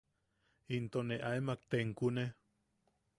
Into ne aemak tenkune.